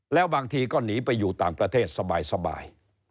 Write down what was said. แล้วบางทีก็หนีไปอยู่ต่างประเทศสบาย